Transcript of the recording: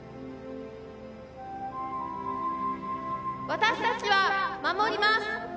私たちは守ります。